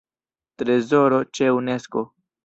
Trezoro ĉe Unesko.